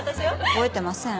覚えてません。